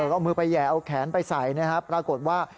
เอามือไปแห่เอาแขนไปใส่นะครับปรากฏว่า